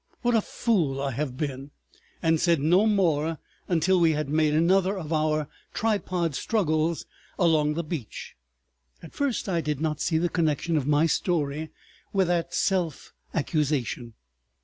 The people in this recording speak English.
What a fool I have been!" and said no more until we had made another of our tripod struggles along the beach. At first I did not see the connection of my story with that self accusation.